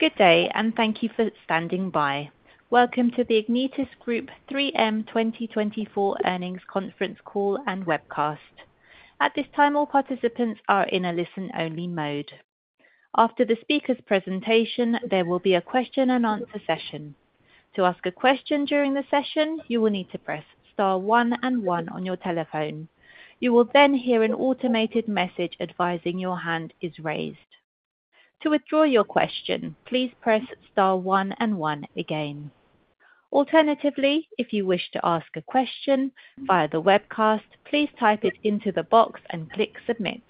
Good day, and thank you for standing by. Welcome to the Ignitis Group 3M 2024 Earnings Conference Call and Webcast. At this time, all participants are in a listen-only mode. After the speaker's presentation, there will be a question and answer session. To ask a question during the session, you will need to press star one and one on your telephone. You will then hear an automated message advising your hand is raised. To withdraw your question, please press star one and one again. Alternatively, if you wish to ask a question via the webcast, please type it into the box and click Submit.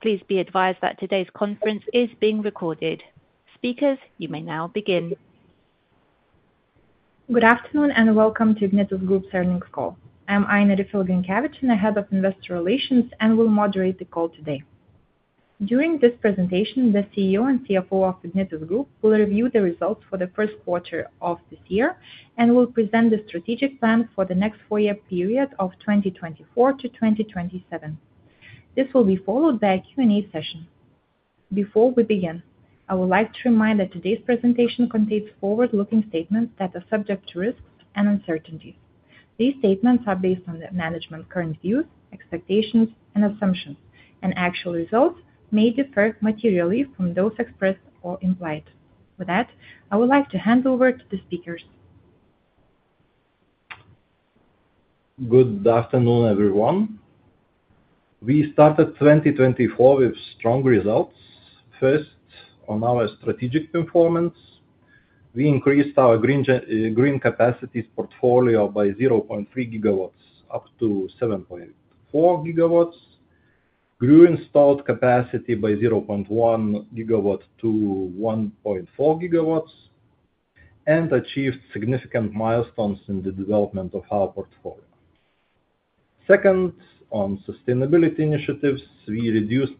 Please be advised that today's conference is being recorded. Speakers, you may now begin. Good afternoon, and welcome to Ignitis Group's earnings call. I'm Ainė Riffel-Grinkevičienė, the head of Investor Relations, and will moderate the call today. During this presentation, the CEO and CFO of Ignitis Group will review the results for the first quarter of this year, and will present the strategic plan for the next four-year period of 2024 to 2027. This will be followed by a Q&A session. Before we begin, I would like to remind that today's presentation contains forward-looking statements that are subject to risks and uncertainties. These statements are based on the management's current views, expectations, and assumptions, and actual results may differ materially from those expressed or implied. With that, I would like to hand over to the speakers. Good afternoon, everyone. We started 2024 with strong results. First, on our strategic performance, we increased our Green Capacities portfolio by 0.3 gigawatts up to 7.4 gigawatts, grew installed capacity by 0.1 gigawatt to 1.4 gigawatts, and achieved significant milestones in the development of our portfolio. Second, on sustainability initiatives, we reduced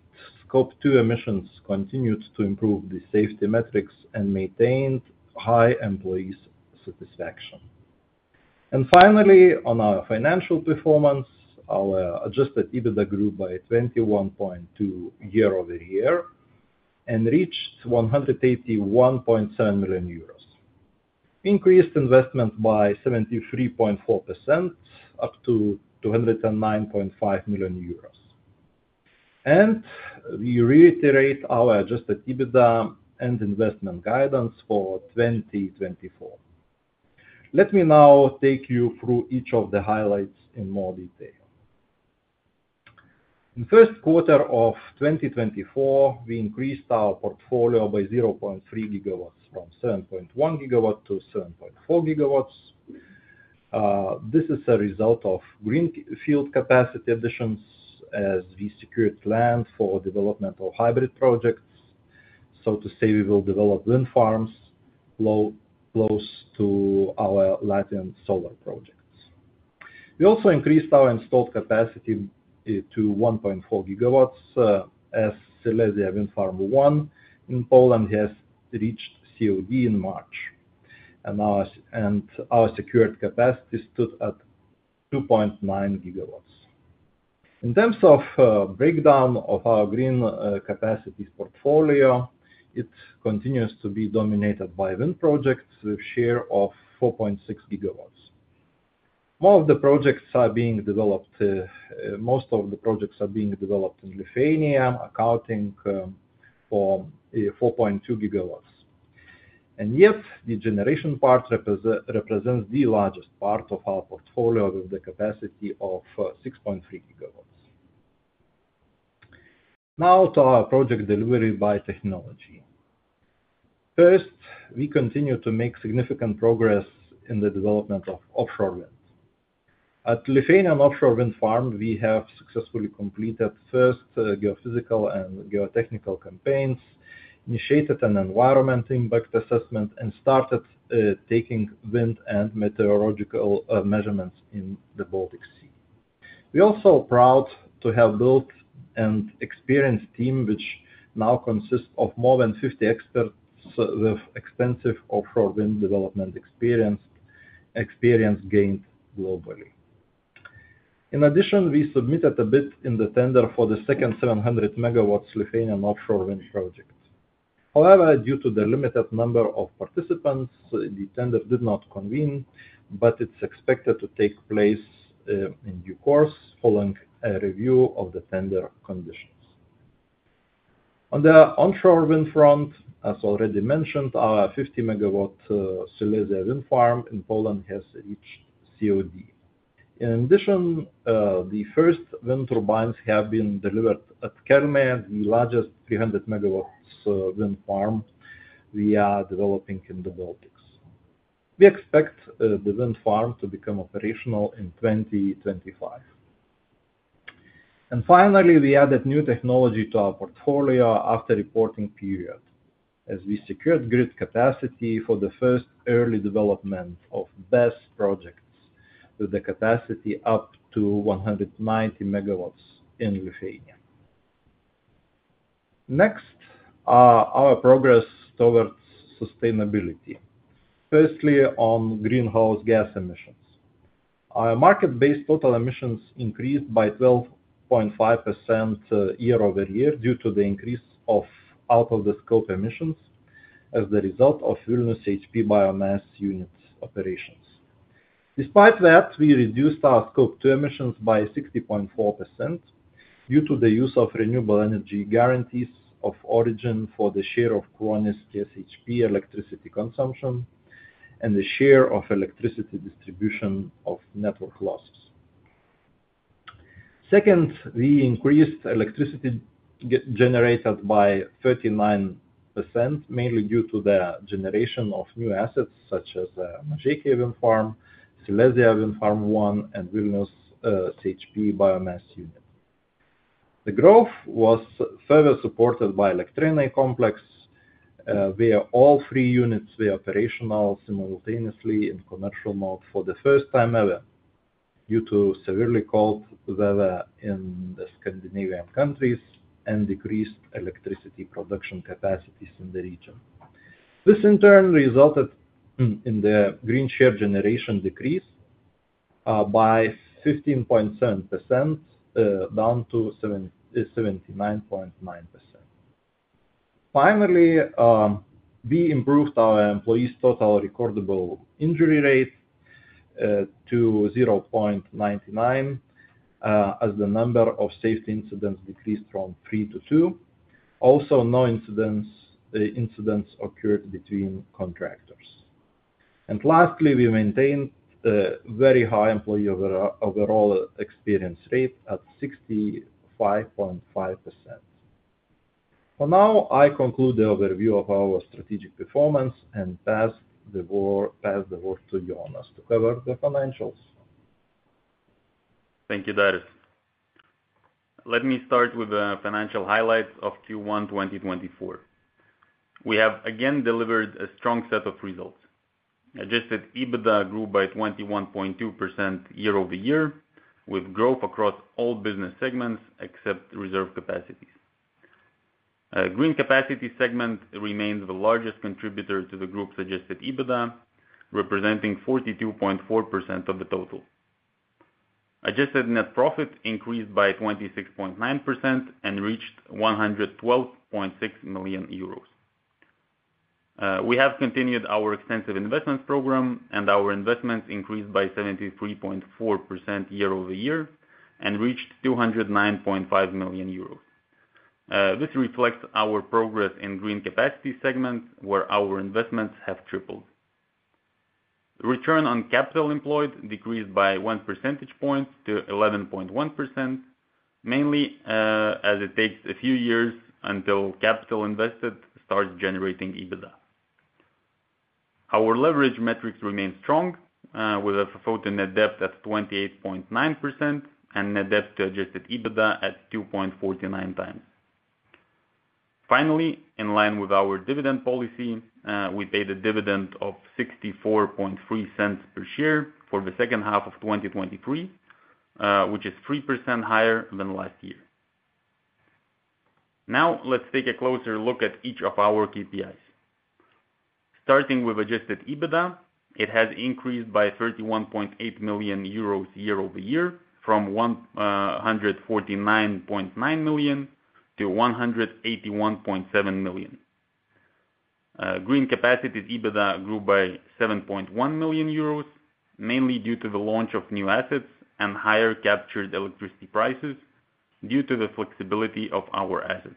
Scope 2 emissions, continued to improve the safety metrics, and maintained high employees' satisfaction. And finally, on our financial performance, our Adjusted EBITDA grew by 21.2% year-over-year and reached 181.7 million euros. Increased investment by 73.4%, up to 209.5 million euros. We reiterate our Adjusted EBITDA and investment guidance for 2024. Let me now take you through each of the highlights in more detail. In first quarter of 2024, we increased our portfolio by 0.3 GW, from 7.1 GW to 7.4 GW. This is a result of greenfield capacity additions as we secured land for development of hybrid projects. So to say, we will develop wind farms co-located to our existing solar projects. We also increased our installed capacity to 1.4 GW as Silesia Wind Farm I in Poland has reached COD in March, and our secured capacity stood at 2.9 GW. In terms of breakdown of our Green Capacities portfolio, it continues to be dominated by wind projects, with share of 4.6 GW. Most of the projects are being developed in Lithuania, accounting for 4.2 GW. Yet, the generation part represents the largest part of our portfolio, with the capacity of 6.3 GW. Now to our project delivery by technology. First, we continue to make significant progress in the development of offshore wind. At Lithuanian Offshore Wind Farm, we have successfully completed first geophysical and geotechnical campaigns, initiated an environmental impact assessment, and started taking wind and meteorological measurements in the Baltic Sea. We are also proud to have built an experienced team, which now consists of more than 50 experts with extensive offshore wind development experience, experience gained globally. In addition, we submitted a bid in the tender for the second 700 MW Lithuanian offshore wind project. However, due to the limited number of participants, the tender did not convene, but it's expected to take place in due course, following a review of the tender conditions. On the onshore wind front, as already mentioned, our 50-MW Silesia Wind Farm in Poland has reached COD. In addition, the first wind turbines have been delivered at Kelmė, the largest 300-MW wind farm we are developing in the Baltics. We expect the wind farm to become operational in 2025. And finally, we added new technology to our portfolio after reporting period, as we secured grid capacity for the first early development of BESS projects, with the capacity up to 190 MW in Lithuania. Next, our progress towards sustainability. Firstly, on greenhouse gas emissions. Our market-based total emissions increased by 12.5% year-over-year due to the increase of out-of-the-scope emissions as a result of Vilnius CHP Biomass Unit operations. Despite that, we reduced our Scope 2 emissions by 60.4% due to the use of renewable energy guarantees of origin for the share of Kruonis PSHP electricity consumption, and the share of electricity distribution of network losses. Second, we increased electricity generated by 39%, mainly due to the generation of new assets such as Mažeikiai Wind Farm, Silesia Wind Farm I, and Vilnius CHP Biomass Unit. The growth was further supported by Elektrėnai Complex, where all three units were operational simultaneously in commercial mode for the first time ever, due to severely cold weather in the Scandinavian countries and decreased electricity production capacities in the region. This, in turn, resulted in the green share generation decrease by 15.7%, down to 79.9%. Finally, we improved our employees' total recordable injury rate to 0.99, as the number of safety incidents decreased from 3 to 2. Also, no incidents occurred between contractors. And lastly, we maintained a very high employee overall experience rate at 65.5%. For now, I conclude the overview of our strategic performance and pass the word to Jonas to cover the financials. Thank you, Darius. Let me start with the financial highlights of Q1, 2024. We have again delivered a strong set of results. Adjusted EBITDA grew by 21.2% year-over-year, with growth across all business segments except Reserve Capacities. Green Capacities segment remains the largest contributor to the group's Adjusted EBITDA, representing 42.4% of the total. Adjusted net profit increased by 26.9% and reached 112.6 million euros. We have continued our extensive investments program, and our investments increased by 73.4% year-over-year and reached 209.5 million euros. This reflects our progress in Green Capacities segment, where our investments have tripled. Return on capital employed decreased by one percentage point to 11.1%, mainly, as it takes a few years until capital invested starts generating EBITDA. Our leverage metrics remain strong, with a FFO to net debt at 28.9% and net debt to Adjusted EBITDA at 2.49x. Finally, in line with our dividend policy, we paid a dividend of 0.643 per share for the second half of 2023, which is 3% higher than last year. Now, let's take a closer look at each of our KPIs. Starting with Adjusted EBITDA, it has increased by 31.8 million euros year-over-year from 149.9 million to 181.7 million. Green Capacities EBITDA grew by 7.1 million euros, mainly due to the launch of new assets and higher captured electricity prices due to the flexibility of our assets.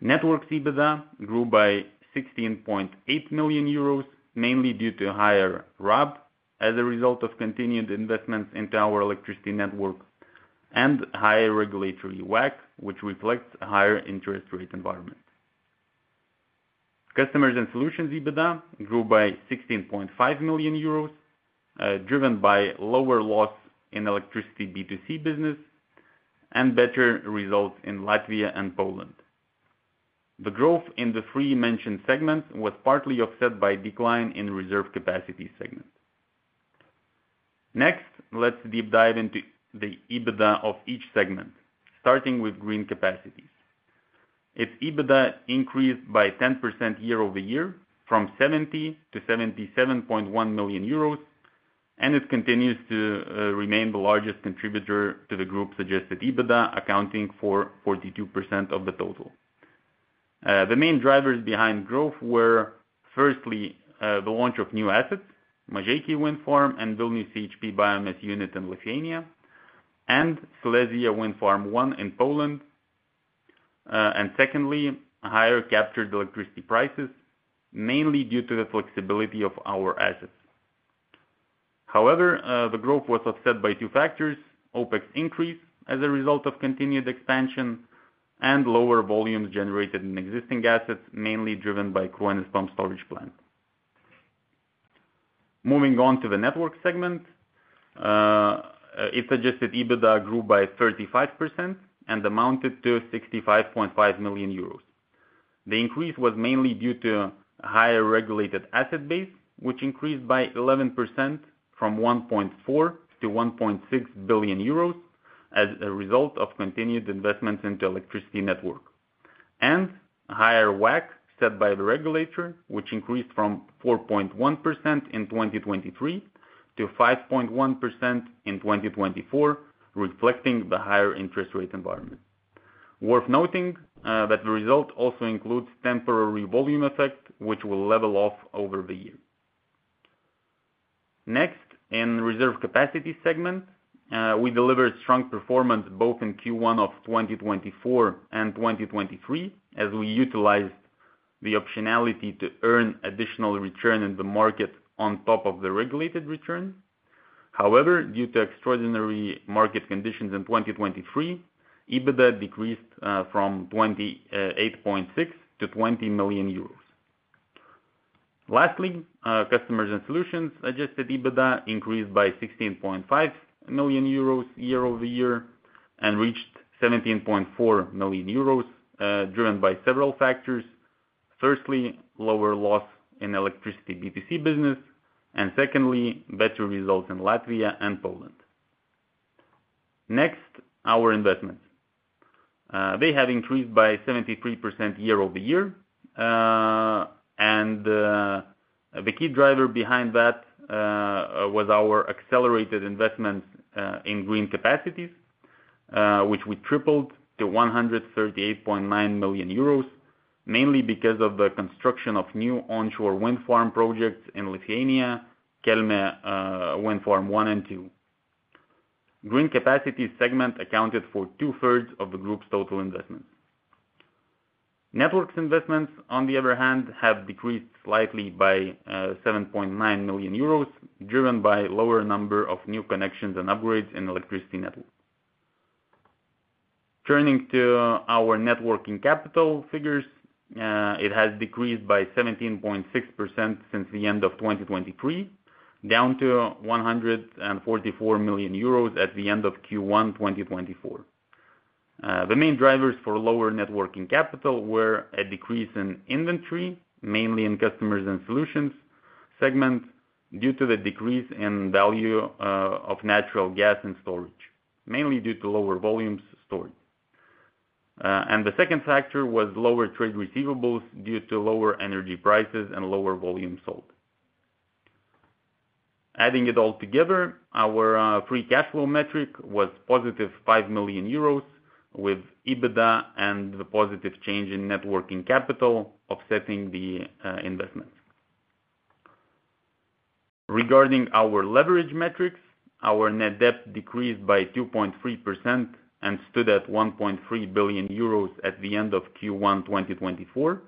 Networks EBITDA grew by 16.8 million euros, mainly due to higher RAB as a result of continued investments into our electricity network and higher regulatory WACC, which reflects a higher interest rate environment. Customers & solutions EBITDA grew by 16.5 million euros, driven by lower loss in electricity B2C business and better results in Latvia and Poland. The growth in the three mentioned segments was partly offset by a decline in Reserve Capacities segment. Next, let's deep dive into the EBITDA of each segment, starting with Green Capacities. Its EBITDA increased by 10% year-over-year from 70 million to 77.1 million euros, and it continues to remain the largest contributor to the group's Adjusted EBITDA, accounting for 42% of the total. The main drivers behind growth were, firstly, the launch of new assets, Mažeikiai Wind Farm and Vilnius CHP Biomass Unit in Lithuania, and Silesia Wind Farm I in Poland. And secondly, higher captured electricity prices, mainly due to the flexibility of our assets. However, the growth was offset by two factors: OpEx increase as a result of continued expansion and lower volumes generated in existing assets, mainly driven by Kruonis Pumped Storage Plant. Moving on to the Networks segment, its Adjusted EBITDA grew by 35% and amounted to 65.5 million euros. The increase was mainly due to higher regulated asset base, which increased by 11% from 1.4 billion to 1.6 billion euros as a result of continued investments into electricity network. and higher WACC set by the regulator, which increased from 4.1% in 2023 to 5.1% in 2024, reflecting the higher interest rate environment. Worth noting, that the result also includes temporary volume effect, which will level off over the year. Next, in Reserve Capacities segment, we delivered strong performance both in Q1 of 2024 and 2023, as we utilized the optionality to earn additional return in the market on top of the regulated return. However, due to extraordinary market conditions in 2023, EBITDA decreased from 28.6 million to 20 million euros. Lastly, Customers & Solutions Adjusted EBITDA increased by 16.5 million euros year-over-year, and reached 17.4 million euros, driven by several factors. Firstly, lower loss in electricity B2C business, and secondly, better results in Latvia and Poland. Next, our investments. They have increased by 73% year-over-year, and the key driver behind that was our accelerated investment in Green Capacities, which we tripled to 138.9 million euros, mainly because of the construction of new onshore wind farm projects in Lithuania, Kelmė Wind Farm I and II. Green Capacities segment accounted for two-thirds of the group's total investment. Networks investments, on the other hand, have decreased slightly by 7.9 million euros, driven by lower number of new connections and upgrades in electricity networks. Turning to our net working capital figures, it has decreased by 17.6% since the end of 2023, down to 144 million euros at the end of Q1 2024. The main drivers for lower net working capital were a decrease in inventory, mainly in Customers & Solutions segment, due to the decrease in value of natural gas and storage, mainly due to lower volumes stored. The second factor was lower trade receivables due to lower energy prices and lower volume sold. Adding it all together, our free cash flow metric was positive 5 million euros, with EBITDA and the positive change in net working capital offsetting the investment. Regarding our leverage metrics, our net debt decreased by 2.3% and stood at 1.3 billion euros at the end of Q1 2024.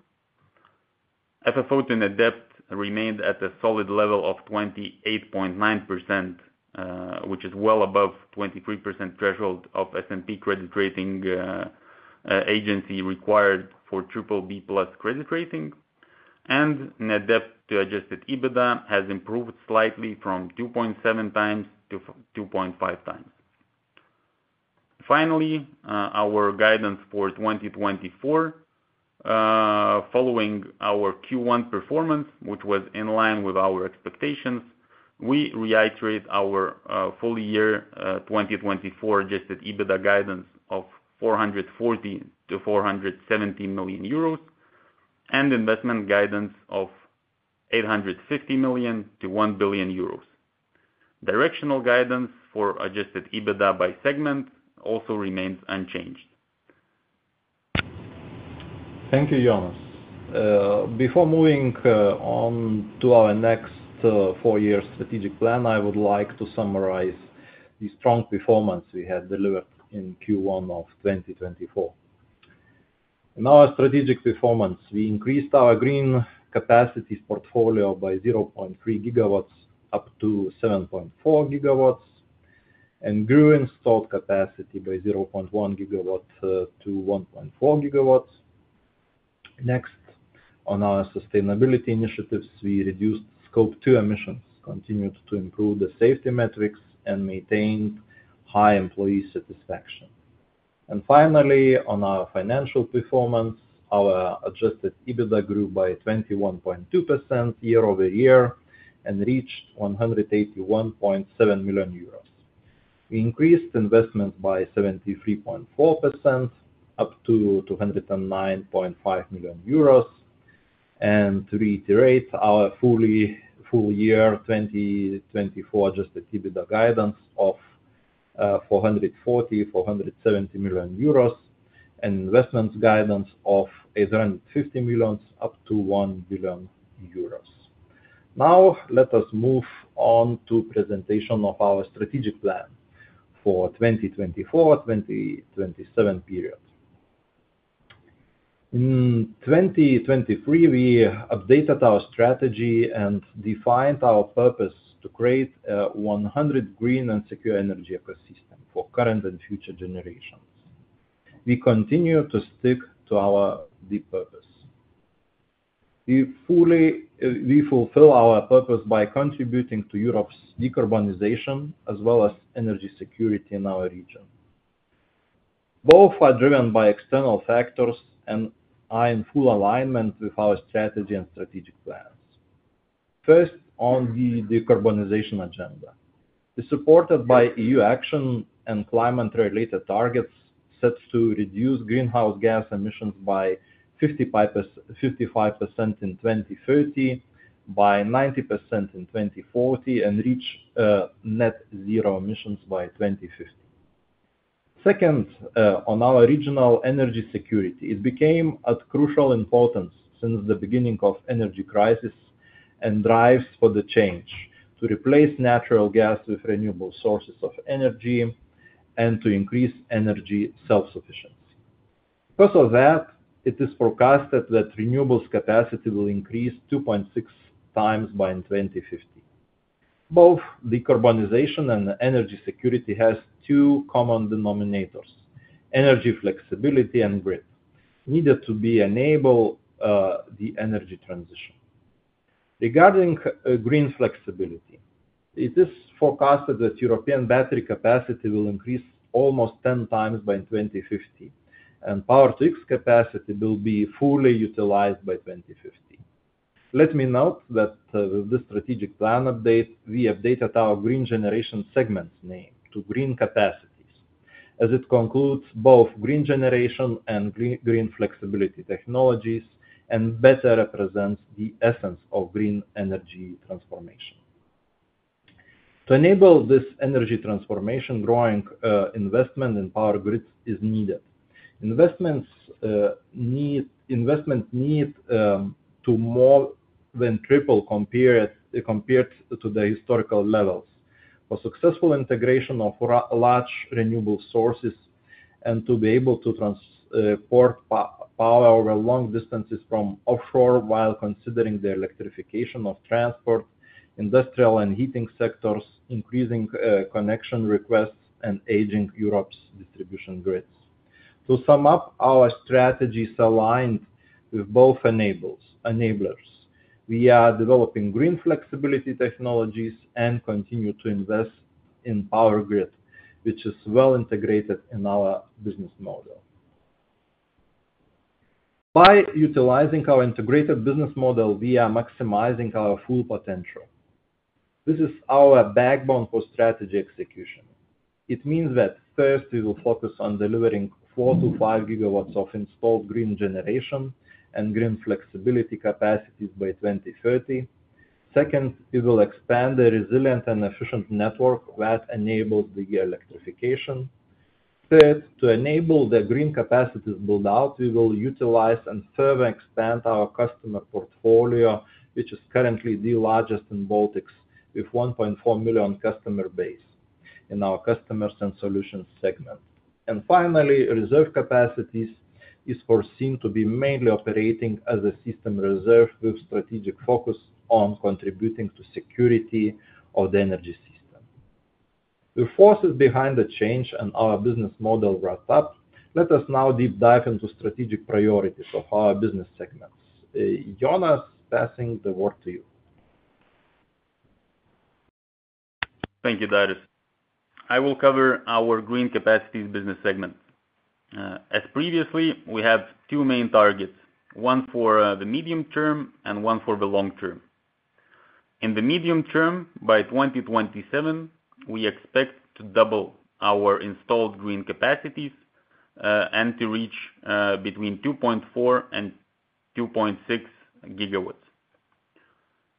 FFO to net debt remained at a solid level of 28.9%, which is well above 23% threshold of S&P credit rating agency required for BBB+ credit rating. Net debt to Adjusted EBITDA has improved slightly from 2.7x to 2.5x. Finally, our guidance for 2024, following our Q1 performance, which was in line with our expectations, we reiterate our full year 2024 Adjusted EBITDA guidance of 440 million-470 million euros, and investment guidance of 850 million-1 billion euros. Directional guidance for Adjusted EBITDA by segment also remains unchanged. Thank you, Jonas. Before moving on to our next four-year strategic plan, I would like to summarize the strong performance we had delivered in Q1 of 2024. In our strategic performance, we increased our Green Capacities portfolio by 0.3 gigawatts up to 7.4 gigawatts, and grew installed capacity by 0.1 gigawatt to 1.4 gigawatts. Next, on our sustainability initiatives, we reduced Scope 2 emissions, continued to improve the safety metrics, and maintained high employee satisfaction. And finally, on our financial performance, our Adjusted EBITDA grew by 21.2% year-over-year and reached 181.7 million euros. We increased investment by 73.4%, up to 209.5 million euros. To reiterate our full year 2024 Adjusted EBITDA guidance of 440 million-470 million euros, and investments guidance of 850 million up to 1 billion euros. Now, let us move on to presentation of our strategic plan for 2024-2027 period. In 2023, we updated our strategy and defined our purpose to create a 100% green and secure energy ecosystem for current and future generations. We continue to stick to our deep purpose. We fully. We fulfill our purpose by contributing to Europe's decarbonization, as well as energy security in our region. Both are driven by external factors and are in full alignment with our strategy and strategic plans. First, on the decarbonization agenda. It's supported by EU action and climate-related targets, sets to reduce greenhouse gas emissions by 55%, 55% in 2030, by 90% in 2040, and reach net zero emissions by 2050. Second, on our regional energy security, it became of crucial importance since the beginning of energy crisis and drives for the change to replace natural gas with renewable sources of energy and to increase energy self-sufficiency. Because of that, it is forecasted that renewables capacity will increase 2.6 times by 2050. Both decarbonization and energy security has two common denominators: energy flexibility and grid, needed to be enable the energy transition. Regarding green flexibility, it is forecasted that European battery capacity will increase almost 10 times by 2050, and Power-to-X capacity will be fully utilized by 2050. Let me note that, with this strategic plan update, we updated our green generation segment's name to Green Capacities, as it concludes both green generation and green flexibility technologies, and better represents the essence of green energy transformation. To enable this energy transformation, growing investment in power grids is needed. Investment needs to more than triple compared to the historical levels. For successful integration of large renewable sources and to be able to transport power over long distances from offshore, while considering the electrification of transport, industrial and heating sectors, increasing connection requests and aging Europe's distribution grids. To sum up, our strategy is aligned with both enablers. We are developing green flexibility technologies and continue to invest in power grid, which is well integrated in our business model. By utilizing our integrated business model, we are maximizing our full potential. This is our backbone for strategy execution. It means that, first, we will focus on delivering 4-5 gigawatts of installed green generation and green flexibility capacities by 2030. Second, we will expand the resilient and efficient network that enables the electrification. Third, to enable the Green Capacities build out, we will utilize and further expand our customer portfolio, which is currently the largest in Baltics, with 1.4 million customer base in our Customers & Solutions segment. And finally, Reserve Capacities is foreseen to be mainly operating as a system reserve, with strategic focus on contributing to security of the energy system. The forces behind the change and our business model wrapped up, let us now deep dive into strategic priorities of our business segments. Jonas, passing the word to you. Thank you, Darius. I will cover our Green Capacities business segment. As previously, we have two main targets, one for the medium term and one for the long term. In the medium term, by 2027, we expect to double our installed Green Capacities and to reach between 2.4 and 2.6 GW.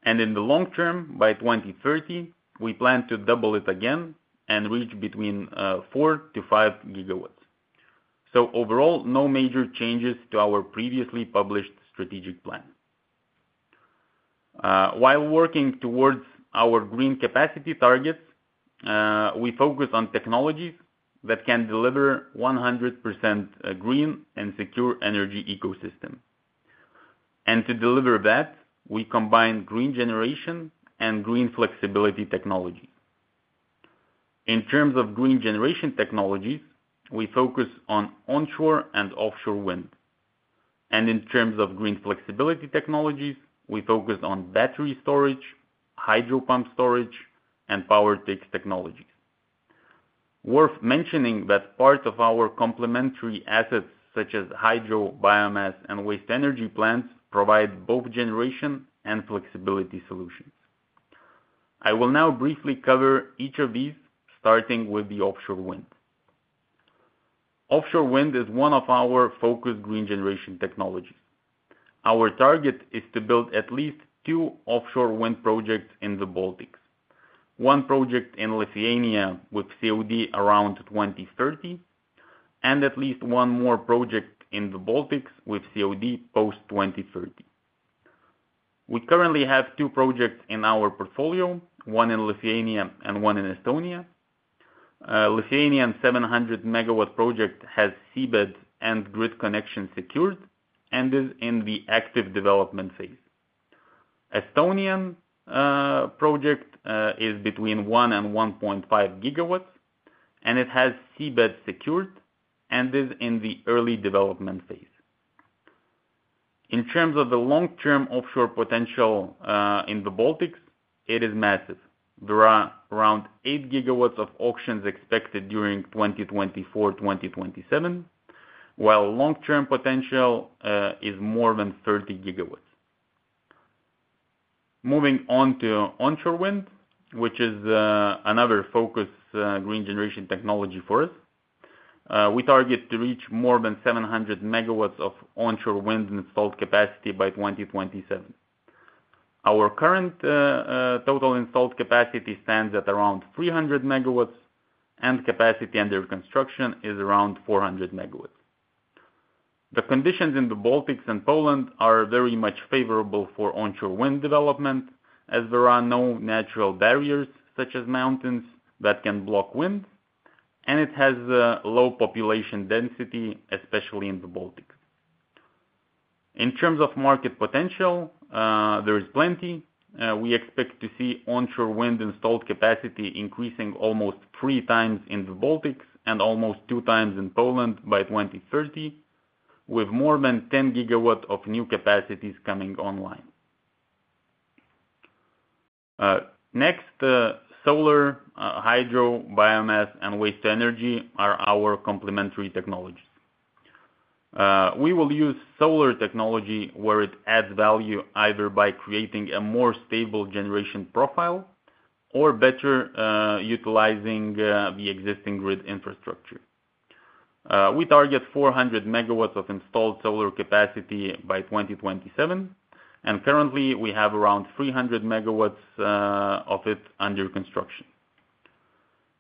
And in the long term, by 2030, we plan to double it again and reach between 4-5 GW. So overall, no major changes to our previously published strategic plan. While working towards our Green capacity targets, we focus on technologies that can deliver 100% green and secure energy ecosystem. And to deliver that, we combine green generation and green flexibility technology. In terms of green generation technologies, we focus on onshore and offshore wind. In terms of green flexibility technologies, we focus on battery storage, hydro pump storage, and Power-to-X technologies. Worth mentioning that part of our complementary assets, such as hydro, biomass, and waste-to-energy plants, provide both generation and flexibility solutions. I will now briefly cover each of these, starting with the offshore wind. Offshore wind is one of our focused green generation technologies. Our target is to build at least two offshore wind projects in the Baltics. One project in Lithuania, with COD around 2030, and at least one more project in the Baltics, with COD post-2030. We currently have two projects in our portfolio, one in Lithuania and one in Estonia. Lithuanian 700-megawatt project has seabed and grid connection secured and is in the active development phase. Estonian project is between 1 and 1.5 GW, and it has seabed secured and is in the early development phase. In terms of the long-term offshore potential in the Baltics, it is massive. There are around 8 GW of auctions expected during 2024-2027. While long-term potential is more than 30 GW. Moving on to onshore wind, which is another focus green generation technology for us. We target to reach more than 700 MW of onshore wind installed capacity by 2027. Our current total installed capacity stands at around 300 MW, and capacity under construction is around 400 MW. The conditions in the Baltics and Poland are very much favorable for onshore wind development, as there are no natural barriers, such as mountains, that can block wind, and it has a low population density, especially in the Baltics. In terms of market potential, there is plenty. We expect to see onshore wind installed capacity increasing almost three times in the Baltics and almost two times in Poland by 2030, with more than 10 GW of new capacities coming online. Next, the solar, hydro, biomass, and waste-to-energy are our complementary technologies. We will use solar technology where it adds value, either by creating a more stable generation profile or better utilizing the existing grid infrastructure. We target 400 MW of installed solar capacity by 2027, and currently, we have around 300 MW of it under construction.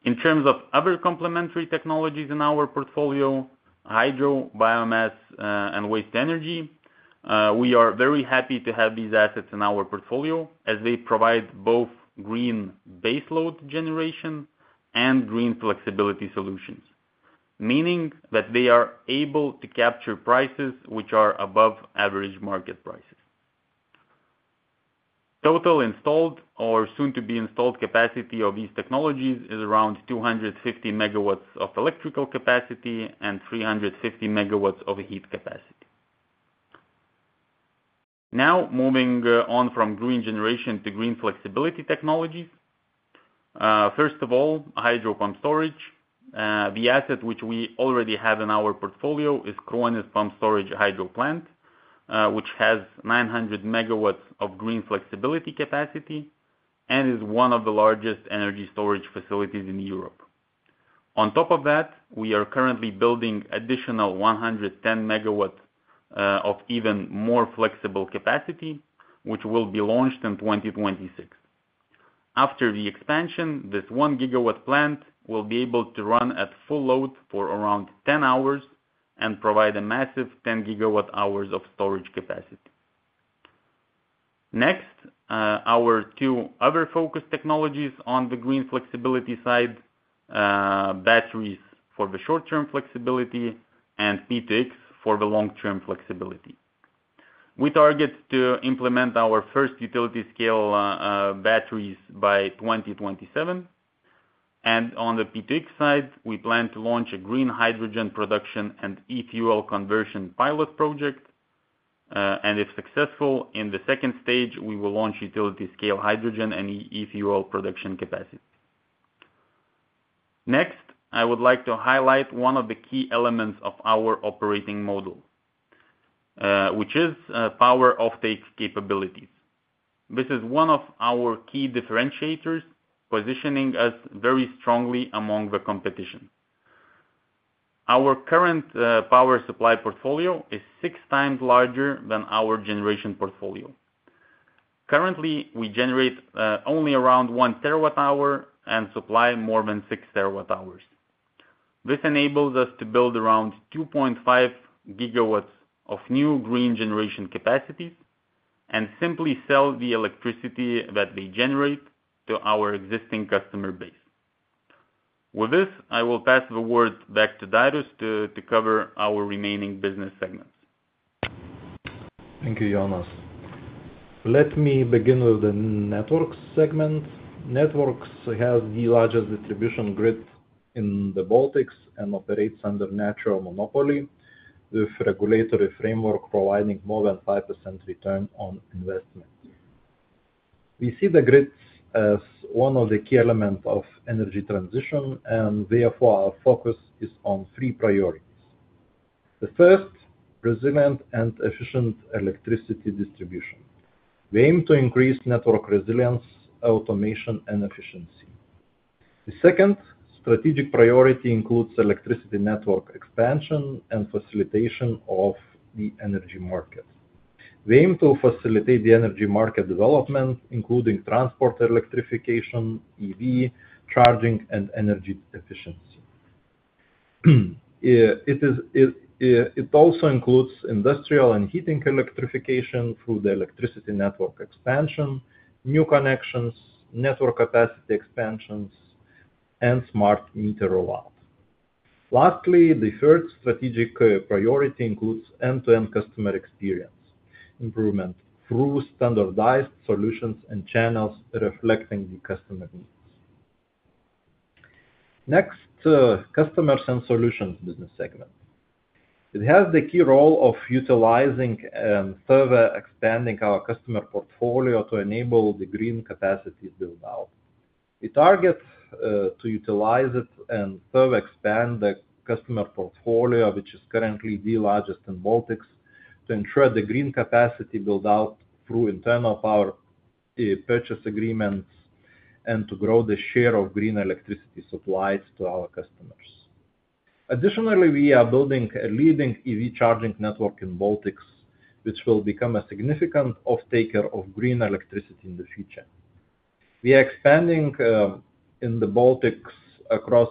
In terms of other complementary technologies in our portfolio: hydro, biomass, and waste-to-energy, we are very happy to have these assets in our portfolio, as they provide both green baseload generation and green flexibility solutions, meaning that they are able to capture prices which are above average market prices. Total installed or soon-to-be-installed capacity of these technologies is around 250 MW of electrical capacity and 350 MW of heat capacity. Now, moving on from green generation to green flexibility technologies. First of all, hydro pumped storage. The asset which we already have in our portfolio is Kruonis Pumped Storage Hydroelectric Plant, which has 900 MW of green flexibility capacity and is one of the largest energy storage facilities in Europe. On top of that, we are currently building additional 110 MW of even more flexible capacity, which will be launched in 2026. After the expansion, this 1 GW plant will be able to run at full load for around 10 hours and provide a massive 10 GWh of storage capacity. Next, our two other focus technologies on the green flexibility side, batteries for the short-term flexibility and P2X for the long-term flexibility. We target to implement our first utility-scale batteries by 2027. And on the P2X side, we plan to launch a green hydrogen production and e-fuel conversion pilot project. And if successful, in the second stage, we will launch utility-scale hydrogen and e-fuel production capacity. Next, I would like to highlight one of the key elements of our operating model, which is power offtake capabilities. This is one of our key differentiators, positioning us very strongly among the competition. Our current power supply portfolio is six times larger than our generation portfolio. Currently, we generate only around 1 TWh and supply more than 6 TWh. This enables us to build around 2.5 GW of new green generation capacities and simply sell the electricity that they generate to our existing customer base. With this, I will pass the word back to Darius to cover our remaining business segments. Thank you, Jonas. Let me begin with the Networks segment. Networks have the largest distribution grid in the Baltics and operates under natural monopoly, with regulatory framework providing more than 5% return on investment. We see the grids as one of the key elements of energy transition, and therefore, our focus is on three priorities. The first, resilient and efficient electricity distribution. We aim to increase network resilience, automation, and efficiency. The second strategic priority includes electricity network expansion and facilitation of the energy market. We aim to facilitate the energy market development, including transport electrification, EV charging, and energy efficiency. It also includes industrial and heating electrification through the electricity network expansion, new connections, network capacity expansions, and smart meter rollout. Lastly, the third strategic priority includes end-to-end customer experience improvement through standardized solutions and channels reflecting the customer needs. Next, Customers & Solutions business segment. It has the key role of utilizing and further expanding our customer portfolio to enable the green capacity build-out. We target to utilize it and further expand the customer portfolio, which is currently the largest in Baltics, to ensure the green capacity build-out through internal power purchase agreements, and to grow the share of green electricity supplies to our customers. Additionally, we are building a leading EV charging network in Baltics, which will become a significant off-taker of green electricity in the future. We are expanding in the Baltics across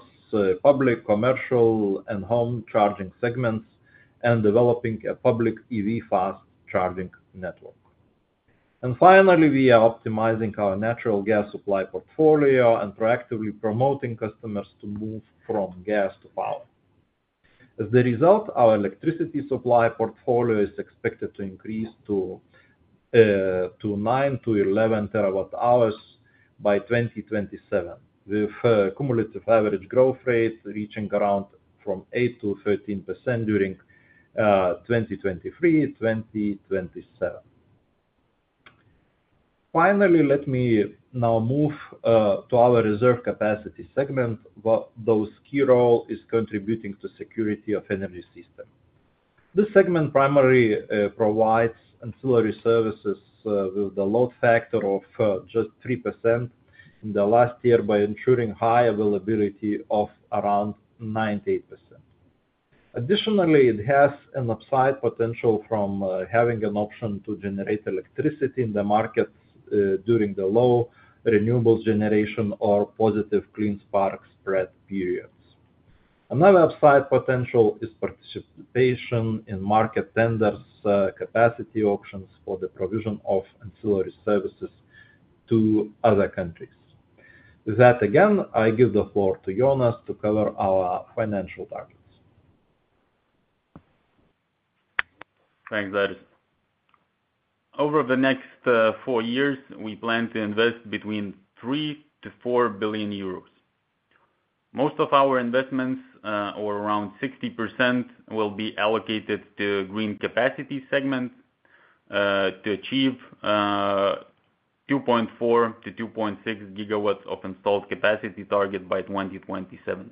public, commercial, and home charging segments, and developing a public EV fast charging network. And finally, we are optimizing our natural gas supply portfolio and proactively promoting customers to move from gas to power. As a result, our electricity supply portfolio is expected to increase to 9-11 TWh by 2027, with a cumulative average growth rate reaching around from 8%-13% during 2023-2027. Finally, let me now move to our Reserve Capacities segment, but those key role is contributing to security of energy system. This segment primary provides ancillary services with a load factor of just 3% in the last year by ensuring high availability of around 98%. Additionally, it has an upside potential from having an option to generate electricity in the markets during the low renewables generation or positive clean spark spread periods. Another upside potential is participation in market tenders, capacity options for the provision of ancillary services to other countries. With that, again, I give the floor to Jonas to cover our financial targets. Thanks, Darius. Over the next 4 years, we plan to invest between 3 billion-4 billion euros. Most of our investments or around 60% will be allocated to Green Capacities segment to achieve 2.4-2.6 GW of installed capacity target by 2027.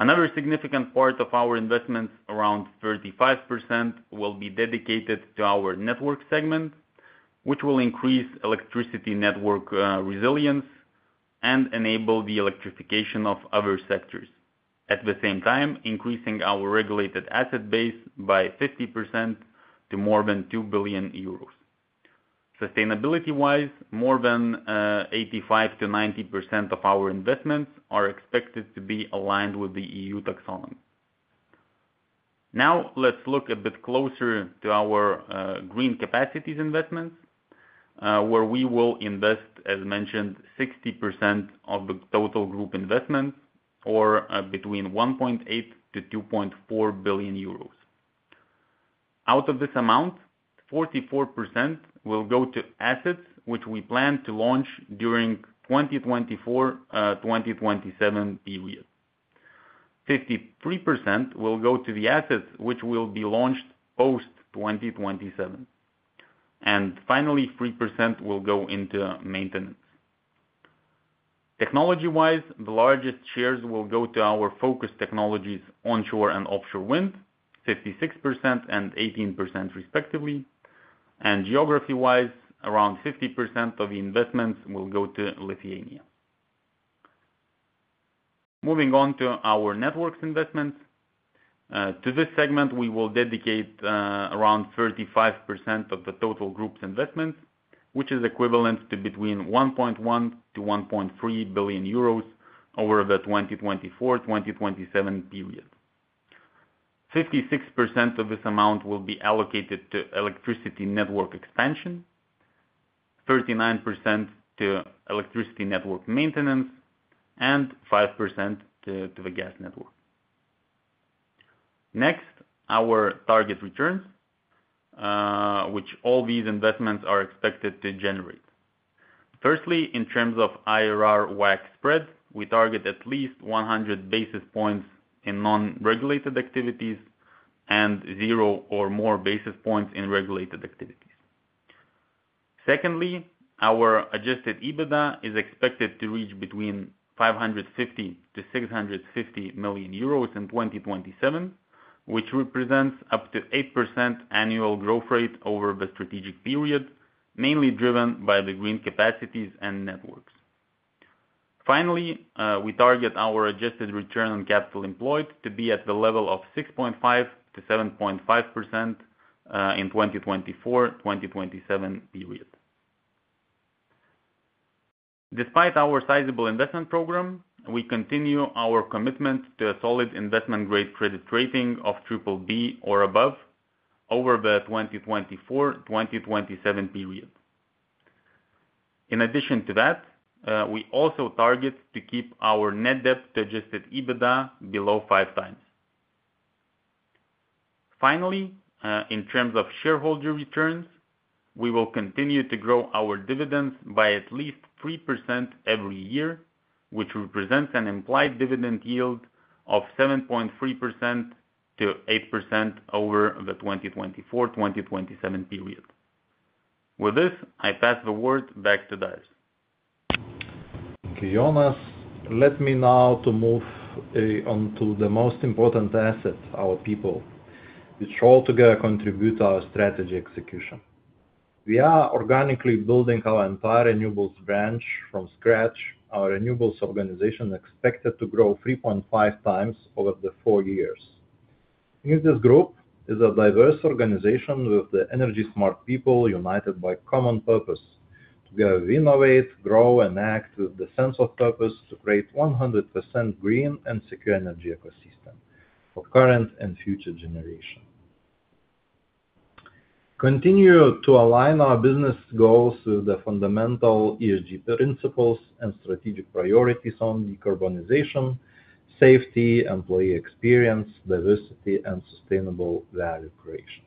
Another significant part of our investments, around 35%, will be dedicated to our Networks segment, which will increase electricity network resilience and enable the electrification of other sectors. At the same time, increasing our regulated asset base by 50% to more than 2 billion euros. Sustainability-wise, more than 85%-90% of our investments are expected to be aligned with the EU taxonomy. Now, let's look a bit closer to our Green Capacities investments, where we will invest, as mentioned, 60% of the total group investment, or between 1.8 billion-2.4 billion euros. Out of this amount, 44% will go to assets, which we plan to launch during 2024-2027 period. 53% will go to the assets, which will be launched post-2027. And finally, 3% will go into maintenance. Technology-wise, the largest shares will go to our focus technologies, onshore and offshore wind, 56% and 18% respectively. And geography-wise, around 50% of the investments will go to Lithuania. Moving on to our Networks investments. To this segment, we will dedicate around 35% of the total group's investments, which is equivalent to between 1.1 billion-1.3 billion euros over the 2024-2027 period. 56% of this amount will be allocated to electricity network expansion, 39% to electricity network maintenance, and 5% to the gas network. Next, our target returns, which all these investments are expected to generate. Firstly, in terms of IRR WACC spread, we target at least 100 basis points in non-regulated activities and zero or more basis points in regulated activities. Secondly, our Adjusted EBITDA is expected to reach between 550 million-650 million euros in 2027, which represents up to 8% annual growth rate over the strategic period, mainly driven by the Green Capacities and networks. Finally, we target our adjusted return on capital employed to be at the level of 6.5%-7.5% in 2024-2027 period. Despite our sizable investment program, we continue our commitment to a solid investment-grade credit rating of BBB or above over the 2024-2027 period. In addition to that, we also target to keep our net debt to Adjusted EBITDA below 5x. Finally, in terms of shareholder returns, we will continue to grow our dividends by at least 3% every year... which represents an implied dividend yield of 7.3%-8% over the 2024-2027 period. With this, I pass the word back to Darius. Thank you, Jonas. Let me now to move on to the most important asset, our people, which all together contribute our strategy execution. We are organically building our entire renewables branch from scratch. Our renewables organization expected to grow 3.5 times over the four years. In this group is a diverse organization with the energy smart people united by common purpose. Together, we innovate, grow, and act with the sense of purpose to create 100% green and secure energy ecosystem for current and future generation. Continue to align our business goals with the fundamental ESG principles and strategic priorities on decarbonization, safety, employee experience, diversity, and sustainable value creation.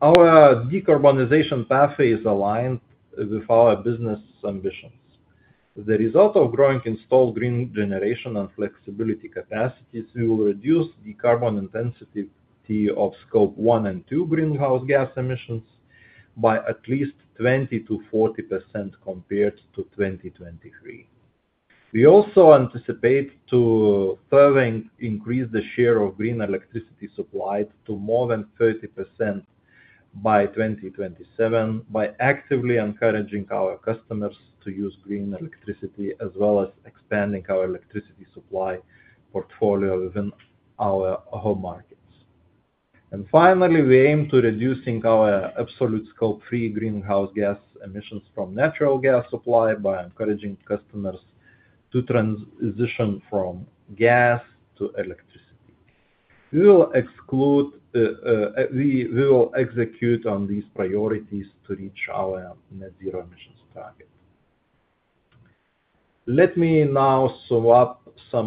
Our decarbonization pathway is aligned with our business ambitions. The result of growing installed green generation and flexibility capacities will reduce the carbon intensity of Scope 1 and 2 greenhouse gas emissions by at least 20%-40% compared to 2023. We also anticipate to further increase the share of green electricity supplied to more than 30% by 2027, by actively encouraging our customers to use green electricity, as well as expanding our electricity supply portfolio within our home markets. Finally, we aim to reducing our absolute Scope 3 greenhouse gas emissions from natural gas supply by encouraging customers to transition from gas to electricity. We will execute on these priorities to reach our net zero emissions target. Let me now sum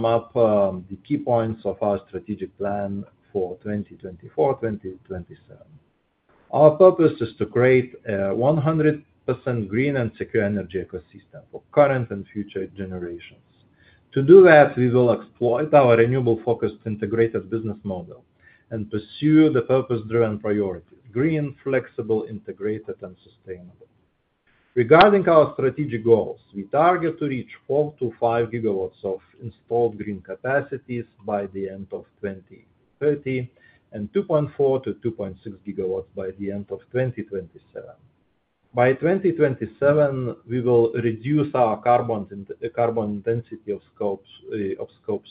up the key points of our strategic plan for 2024-2027. Our purpose is to create a 100% green and secure energy ecosystem for current and future generations. To do that, we will exploit our renewable-focused integrated business model and pursue the purpose-driven priorities: green, flexible, integrated, and sustainable. Regarding our strategic goals, we target to reach 4-5 gigawatts of installed Green Capacities by the end of 2030, and 2.4-2.6 gigawatts by the end of 2027. By 2027, we will reduce our carbon intensity of Scope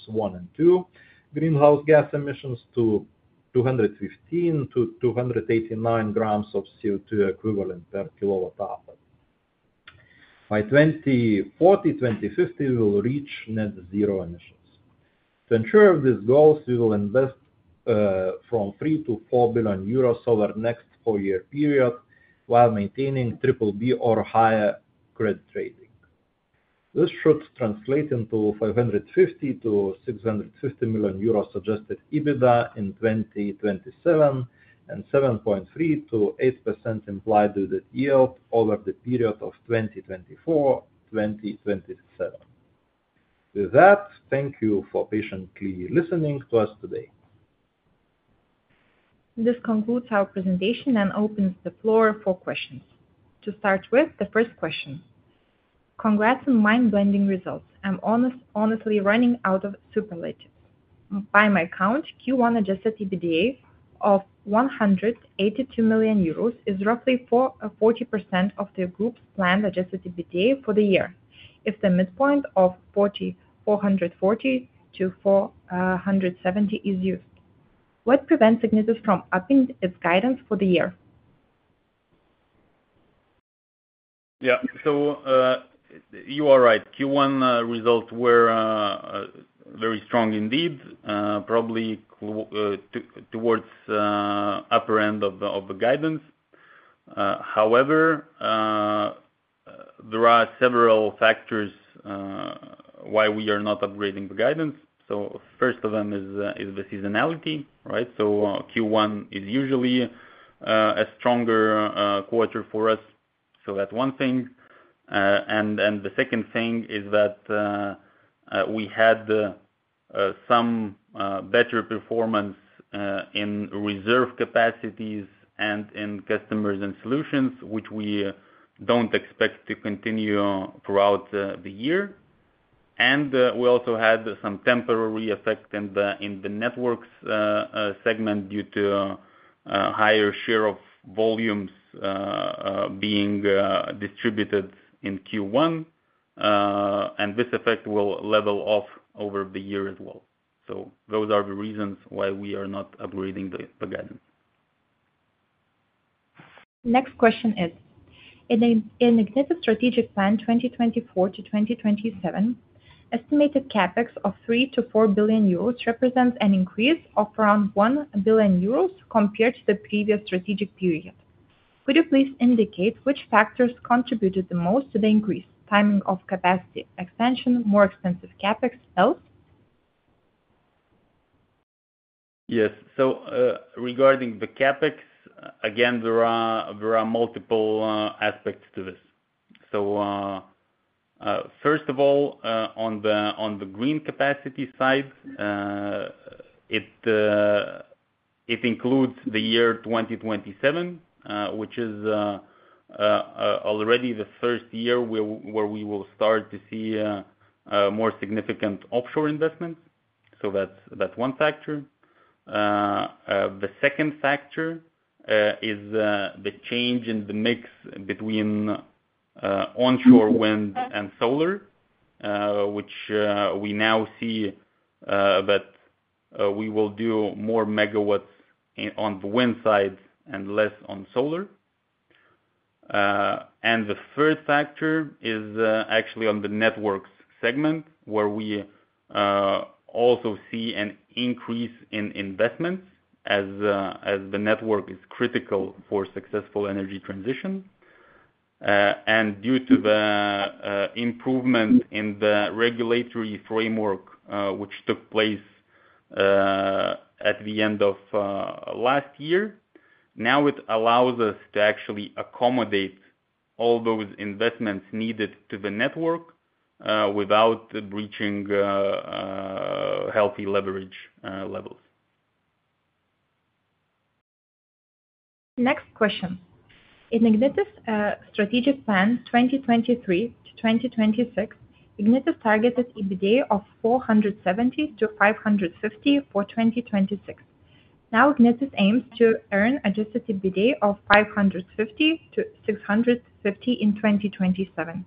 1 and 2 greenhouse gas emissions to 215-289 grams of CO2 equivalent per kilowatt hour. By 2040, 2050, we will reach net zero emissions. To ensure these goals, we will invest from 3 billion-4 billion euros over the next four-year period, while maintaining BBB or higher credit rating. This should translate into 550 million-650 million euros Adjusted EBITDA in 2027, and 7.3%-8% implied dividend yield over the period of 2024-2027. With that, thank you for patiently listening to us today. This concludes our presentation and opens the floor for questions. To start with, the first question: Congrats on mind-blending results. I'm honestly running out of superlatives. By my count, Q1 Adjusted EBITDA of 182 million euros is roughly 40% of the group's planned Adjusted EBITDA for the year. If the midpoint of 440-470 is used, what prevents Ignitis from upping its guidance for the year? Yeah. So, you are right. Q1 results were very strong indeed, probably towards upper end of the guidance. However, there are several factors why we are not upgrading the guidance. So first of them is the seasonality, right? So, Q1 is usually a stronger quarter for us. So that's one thing. And the second thing is that we had some better performance in Reserve Capacities and in Customers & Solutions, which we don't expect to continue throughout the year. And we also had some temporary effect in the Networks segment, due to a higher share of volumes being distributed in Q1. This effect will level off over the year as well. Those are the reasons why we are not upgrading the guidance. Next question is: In Ignitis' strategic plan, 2024-2027, estimated CapEx of 3 billion-4 billion euros represents an increase of around 1 billion euros compared to the previous strategic period. Could you please indicate which factors contributed the most to the increase? Timing of capacity, expansion, more expensive CapEx, else?... Yes. So, regarding the CapEx, again, there are multiple aspects to this. So, first of all, on the green capacity side, it includes the year 2027, which is already the first year where we will start to see more significant offshore investments. So that's one factor. The second factor is the change in the mix between onshore wind and solar, which we now see that we will do more megawatts on the wind side and less on solar. And the third factor is actually on the Networks segment, where we also see an increase in investment as the network is critical for successful energy transition. And due to the improvement in the regulatory framework, which took place at the end of last year, now it allows us to actually accommodate all those investments needed to the network, without breaching healthy leverage levels. Next question. In Ignitis strategic plan, 2023 to 2026, Ignitis targeted EBITDA of 470-550 for 2026. Now, Ignitis aims to earn Adjusted EBITDA of 550-650 in 2027.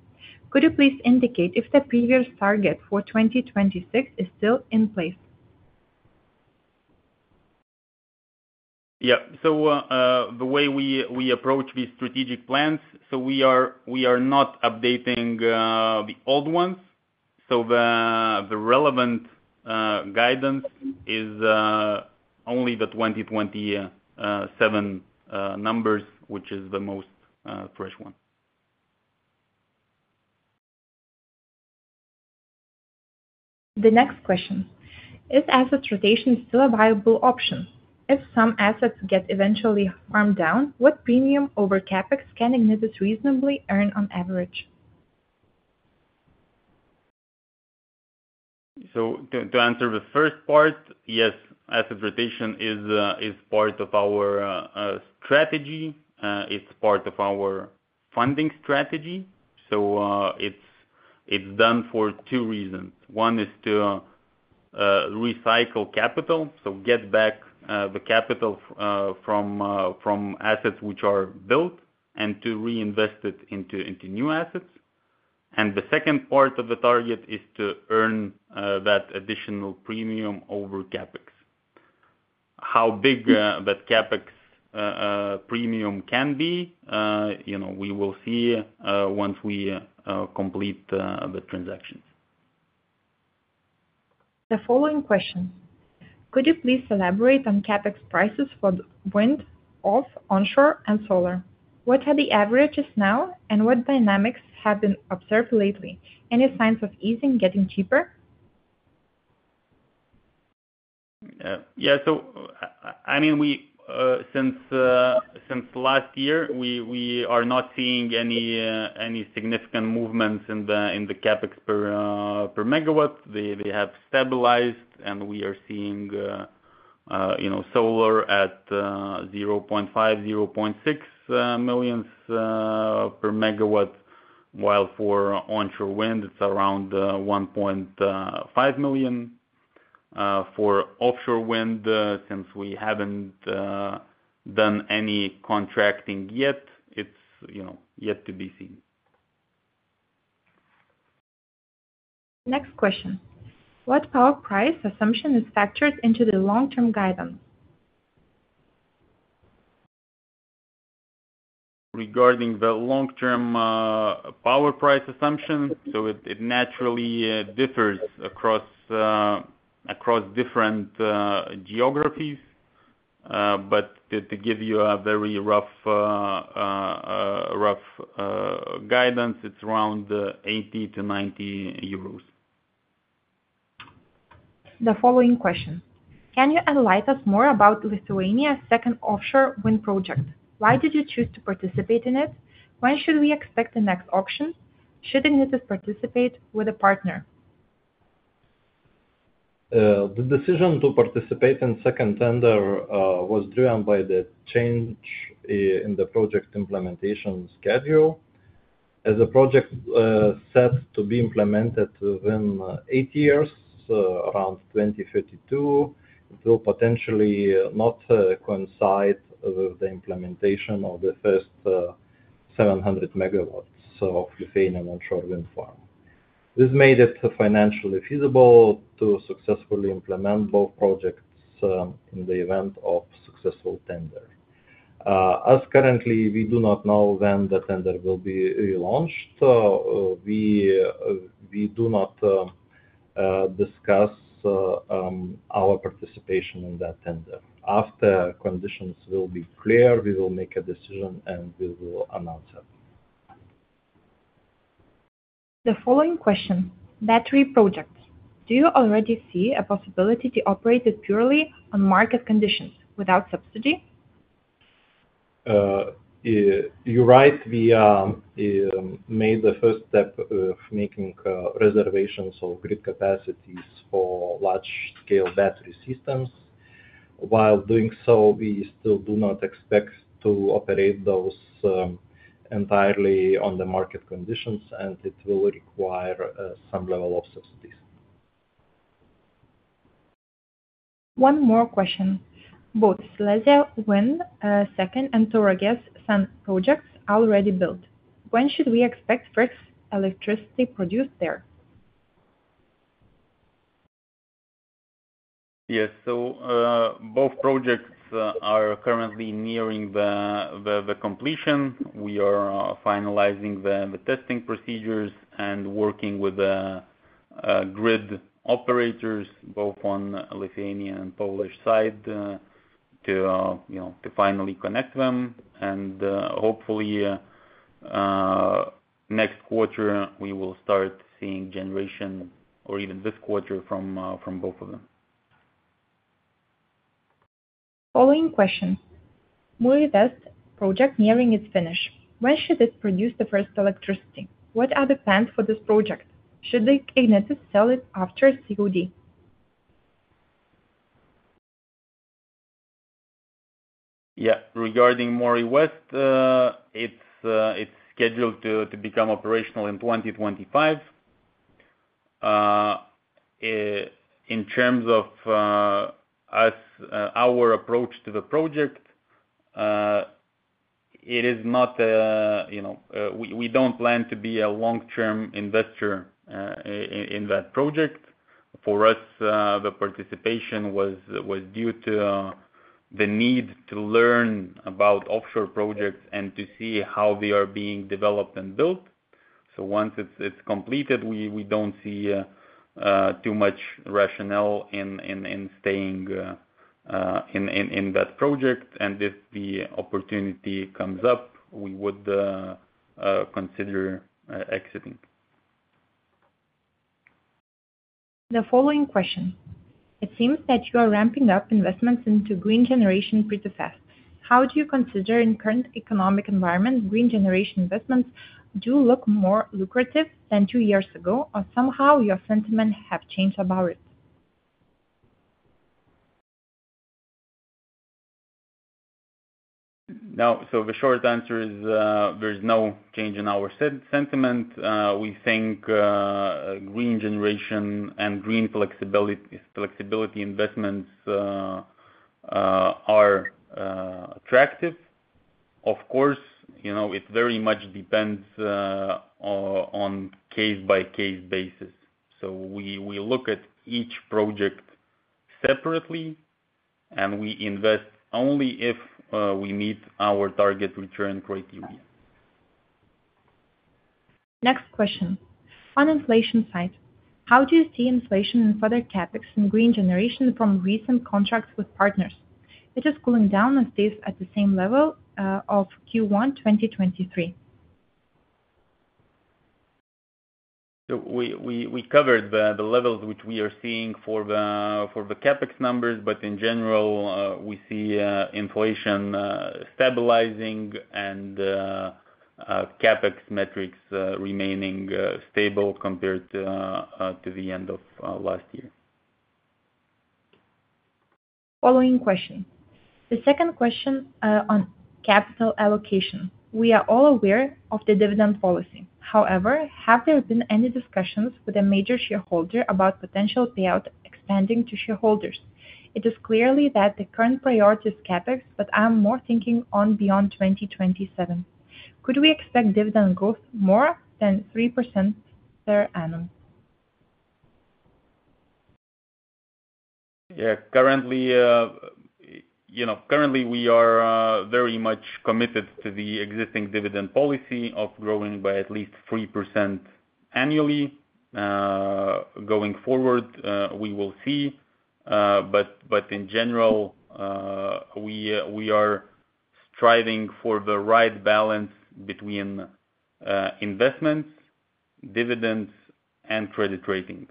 Could you please indicate if the previous target for 2026 is still in place? Yeah. So, the way we approach these strategic plans, so we are not updating the old ones. So the relevant guidance is only the 2027 numbers, which is the most fresh one. The next question: Is asset rotation still a viable option? If some assets get eventually farmed down, what premium over CapEx can Ignitis reasonably earn on average? So, to answer the first part, yes, asset rotation is part of our strategy. It's part of our funding strategy. So, it's done for two reasons. One is to recycle capital, so get back the capital from assets which are built, and to reinvest it into new assets. And the second part of the target is to earn that additional premium over CapEx. How big that CapEx premium can be, you know, we will see once we complete the transactions. The following question: Could you please elaborate on CapEx prices for the wind, offshore, onshore, and solar? What are the averages now, and what dynamics have been observed lately? Any signs of easing, getting cheaper? Yeah, so, I mean, we, since last year, we are not seeing any significant movements in the CapEx per megawatt. They have stabilized, and we are seeing, you know, solar at 0.5 million-0.6 million per megawatt, while for onshore wind, it's around 1.5 million. For offshore wind, since we haven't done any contracting yet, it's, you know, yet to be seen. Next question: What power price assumption is factored into the long-term guidance? Regarding the long-term power price assumption, so it naturally differs across different geographies. But to give you a very rough guidance, it's around 80-90 euros. The following question: Can you enlighten us more about Lithuania's second offshore wind project? Why did you choose to participate in it? When should we expect the next auction? Should Ignitis participate with a partner? The decision to participate in second tender was driven by the change in the project implementation schedule. As the project set to be implemented within 8 years around 2032, it will potentially not coincide with the implementation of the first 700 MW of Lithuanian onshore wind farm. This made it financially feasible to successfully implement both projects in the event of successful tender. As currently, we do not know when the tender will be relaunched, we do not discuss our participation in that tender. After conditions will be clear, we will make a decision, and we will announce it. ... The following question, battery projects. Do you already see a possibility to operate it purely on market conditions without subsidy? You're right, we made the first step of making reservations or grid capacities for large-scale battery systems. While doing so, we still do not expect to operate those entirely on the market conditions, and it will require some level of subsidies. One more question. Both Silesia Wind II and Tauragė Solar Farm projects are already built. When should we expect first electricity produced there? Yes. So, both projects are currently nearing the completion. We are finalizing the testing procedures and working with the grid operators, both on Lithuanian and Polish side, to, you know, to finally connect them. And, hopefully, next quarter, we will start seeing generation or even this quarter from both of them. Following question. Moray West project nearing its finish, when should this produce the first electricity? What are the plans for this project? Should Ignitis sell it after COD? Yeah. Regarding Moray West, it's scheduled to become operational in 2025. In terms of our approach to the project, it is not, you know, we don't plan to be a long-term investor in that project. For us, the participation was due to the need to learn about offshore projects and to see how they are being developed and built. So once it's completed, we don't see too much rationale in staying in that project. And if the opportunity comes up, we would consider exiting. The following question: It seems that you are ramping up investments into green generation pretty fast. How do you consider in current economic environment, green generation investments do look more lucrative than two years ago, or somehow your sentiment have changed about it? Now, so the short answer is, there's no change in our sentiment. We think, green generation and green flexibility investments are attractive. Of course, you know, it very much depends on a case-by-case basis. So we look at each project separately, and we invest only if we meet our target return criteria. Next question. On inflation side, how do you see inflation and further CapEx in green generation from recent contracts with partners? It is cooling down and stays at the same level of Q1, 2023. We covered the levels which we are seeing for the CapEx numbers. But in general, we see inflation stabilizing and CapEx metrics remaining stable compared to the end of last year. Following question. The second question on capital allocation. We are all aware of the dividend policy. However, have there been any discussions with a major shareholder about potential payout expanding to shareholders? It is clear that the current priority is CapEx, but I'm more thinking on beyond 2027. Could we expect dividend growth more than 3% per annum? Yeah. Currently, you know, currently we are very much committed to the existing dividend policy of growing by at least 3% annually. Going forward, we will see, but in general, we are striving for the right balance between investments, dividends, and credit rating.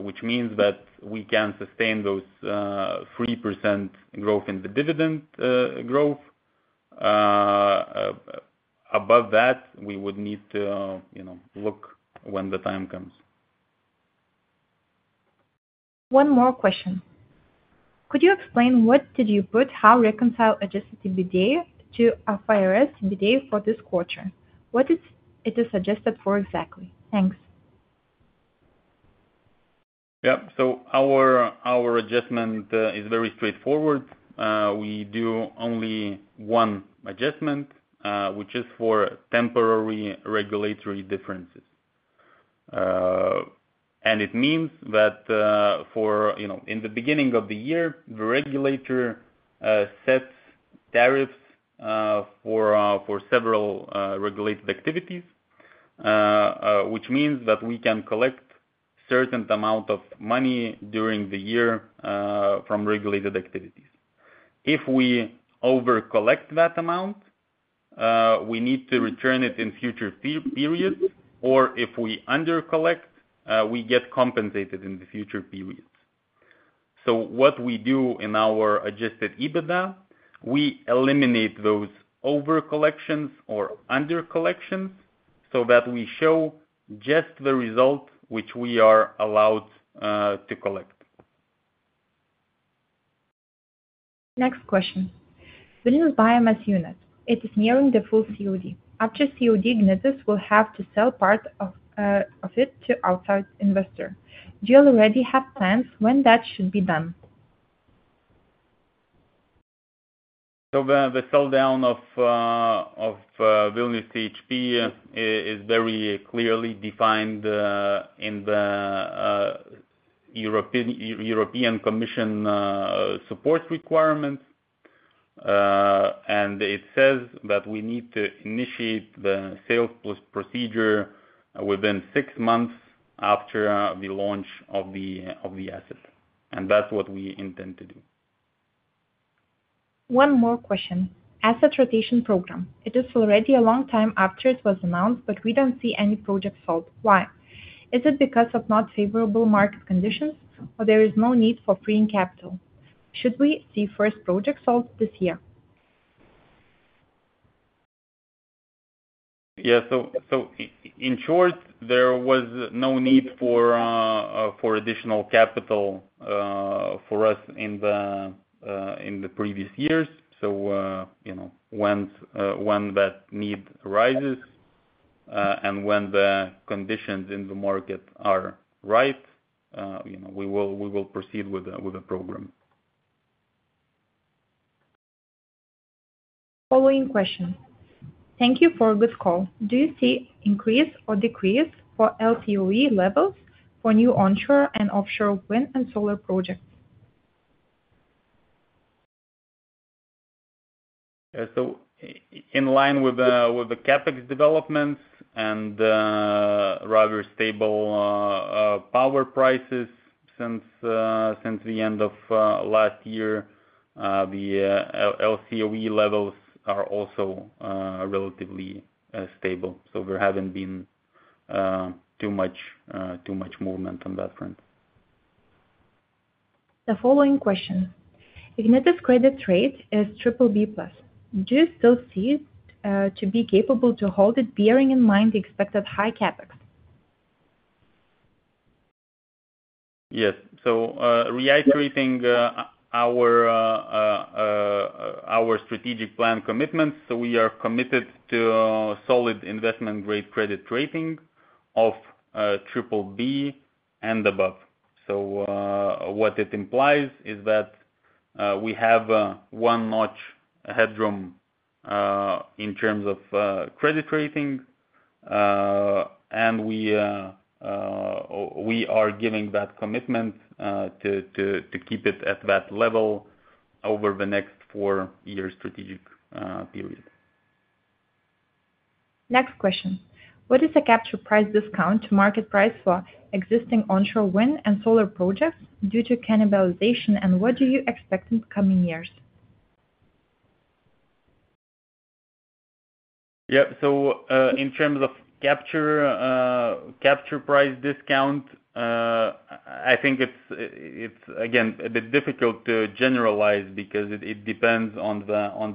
Which means that we can sustain those 3% growth in the dividend growth. Above that, we would need to you know look when the time comes. One more question. Could you explain, what did you put, how reconcile Adjusted EBITDA to IFRS EBITDA for this quarter? What is it suggested for exactly? Thanks. Yeah. So our adjustment is very straightforward. We do only one adjustment, which is for temporary regulatory differences. And it means that, for you know, in the beginning of the year, the regulator sets tariffs for several regulated activities, which means that we can collect certain amount of money during the year from regulated activities. If we over collect that amount, we need to return it in future periods, or if we under collect, we get compensated in the future periods. So what we do in our Adjusted EBITDA, we eliminate those over collections or under collections, so that we show just the result which we are allowed to collect. Next question: Vilnius biomass unit, it is nearing the full COD. After COD, Ignitis will have to sell part of, of it to outside investor. Do you already have plans when that should be done? So the sell down of Vilnius CHP is very clearly defined in the European Commission support requirements. And it says that we need to initiate the sales procedure within six months after the launch of the asset, and that's what we intend to do. One more question. Asset rotation program. It is already a long time after it was announced, but we don't see any project sold. Why? Is it because of not favorable market conditions, or there is no need for freeing capital? Should we see first project sold this year? Yeah, so in short, there was no need for additional capital for us in the previous years. So, you know, when that need arises, and when the conditions in the market are right, you know, we will proceed with the program. Following question. Thank you for this call. Do you see increase or decrease for LCOE levels for new onshore and offshore wind and solar projects? So in line with the CapEx developments and rather stable power prices since the end of last year, the LCOE levels are also relatively stable. So there haven't been too much movement on that front. The following question: Ignitis credit rating is BBB+. Do you still see it to be capable to hold it, bearing in mind the expected high CapEx? Yes. So, reiterating, our strategic plan commitments, so we are committed to a solid investment-grade credit rating of BBB and above. So, what it implies is that we have one notch headroom in terms of credit rating. And we are giving that commitment to keep it at that level over the next four-year strategic period. Next question: What is the capture price discount to market price for existing onshore wind and solar projects due to cannibalization, and what do you expect in coming years? Yeah. So, in terms of capture price discount, I think it's again a bit difficult to generalize because it depends on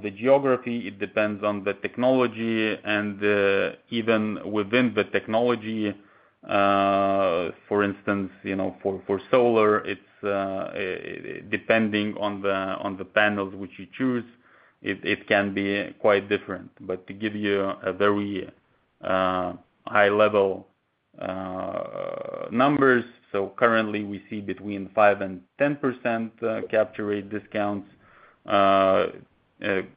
the geography, it depends on the technology and even within the technology, for instance, you know, for solar, it's depending on the panels which you choose, it can be quite different. But to give you a very high level numbers, so currently we see between 5% and 10% capture rate discounts. In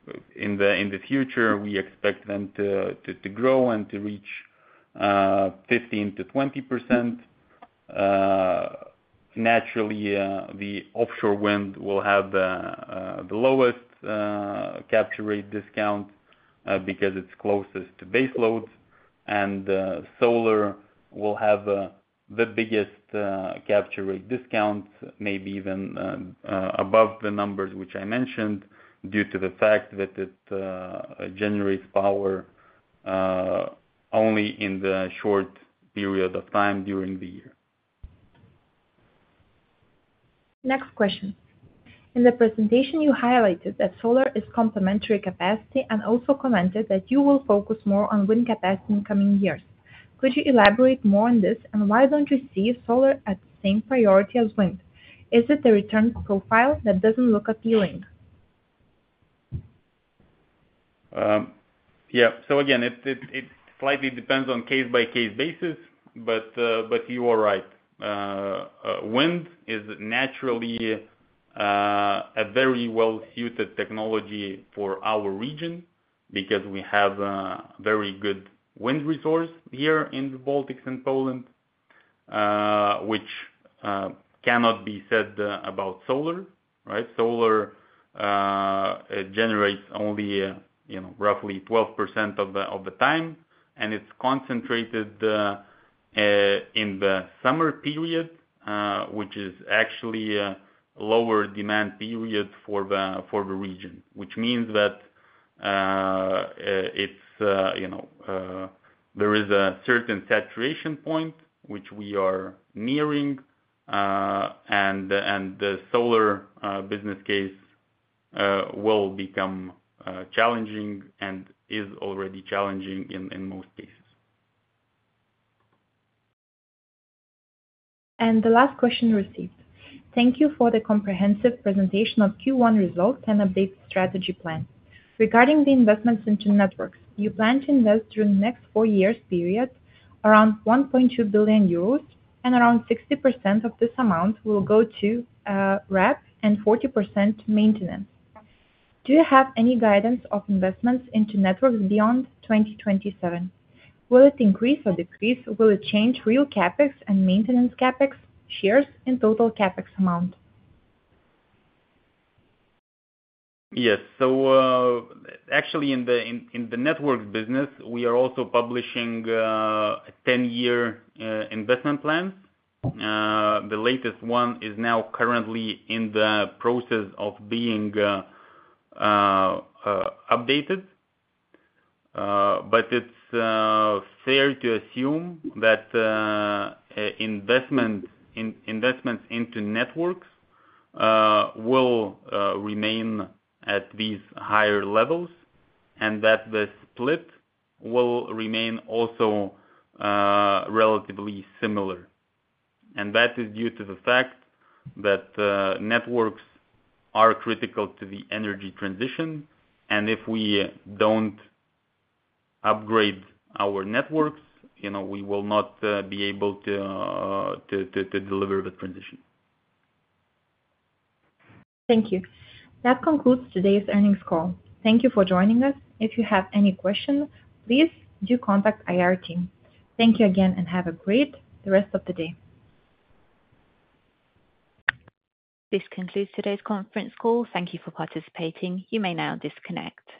the future, we expect them to grow and to reach 15%-20%. Naturally, the offshore wind will have the lowest capture rate discount because it's closest to base loads, and solar will have the biggest capture rate discount, maybe even above the numbers which I mentioned, due to the fact that it generates power only in the short period of time during the year. Next question: In the presentation, you highlighted that solar is complementary capacity and also commented that you will focus more on wind capacity in coming years. Could you elaborate more on this, and why don't you see solar at the same priority as wind? Is it a return profile that doesn't look appealing? Yeah. So again, it slightly depends on case-by-case basis, but, but you are right. Wind is naturally a very well-suited technology for our region because we have very good wind resource here in the Baltics and Poland, which cannot be said about solar, right? Solar, it generates only, you know, roughly 12% of the time, and it's concentrated in the summer period, which is actually a lower demand period for the region, which means that, it's, you know, there is a certain saturation point which we are nearing, and the solar business case will become challenging and is already challenging in most cases. The last question received: Thank you for the comprehensive presentation of Q1 results and updated strategy plan. Regarding the investments into Networks, you plan to invest during the next four years period around 1.2 billion euros, and around 60% of this amount will go to expansion and 40% maintenance. Do you have any guidance of investments into Networks beyond 2027? Will it increase or decrease, or will it change real CapEx and maintenance CapEx shares and total CapEx amount? Yes. So, actually, in the Networks business, we are also publishing a 10-year investment plan. The latest one is now currently in the process of being updated. But it's fair to assume that investments into Networks will remain at these higher levels, and that the split will remain also relatively similar. And that is due to the fact that Networks are critical to the energy transition, and if we don't upgrade our Networks, you know, we will not be able to deliver the transition. Thank you. That concludes today's earnings call. Thank you for joining us. If you have any questions, please do contact IR team. Thank you again, and have a great rest of the day. This concludes today's conference call. Thank you for participating. You may now disconnect.